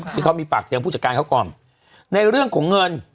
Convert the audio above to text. ที่เขามีปากเสียงผู้จัดการเขาก่อนในเรื่องของเงิน